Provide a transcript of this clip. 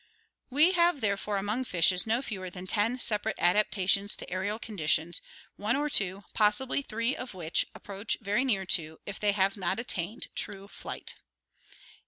We have therefore among fishes no fewer than ten separate adaptations to aerial conditions, one or two, possibly three of which approach very near to, if they have not attained, true flight.